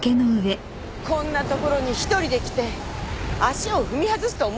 こんなところに１人で来て足を踏み外すと思いますか？